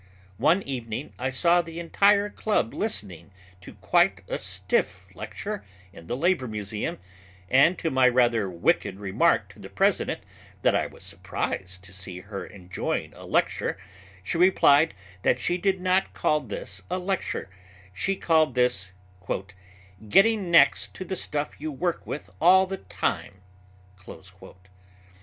One evening I saw the entire club listening to quite a stiff lecture in the Labor Museum and to my rather wicked remark to the president that I was surprised to see her enjoying a lecture, she replied that she did not call this a lecture, she called this "getting next to the stuff you work with all the time."